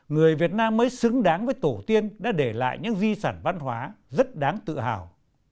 người việt nam mới xứng đáng với tổ tiên đã để lại những di sản văn hóa rất đáng tự hào